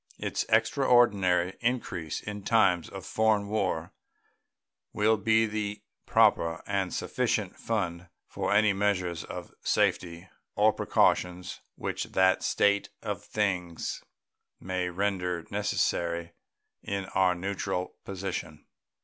Its extraordinary increase in times of foreign war will be the proper and sufficient fund for any measures of safety or precaution which that state of things may render necessary in our neutral position.